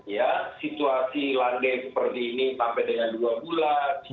ya situasi landai seperti ini sampai dengan dua bulan